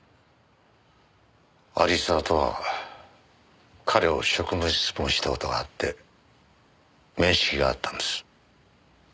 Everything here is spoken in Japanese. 有沢とは彼を職務質問した事があって面識があったんです。